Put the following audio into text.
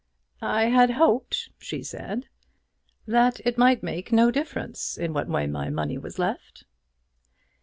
"I had hoped," she said, "that it might make no difference in what way my money was left."